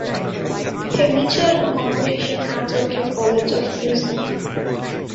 He majored in composition at Tokyo College of Music.